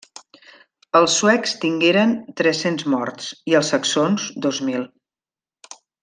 Els suecs tingueren tres-cents morts, i els saxons dos mil.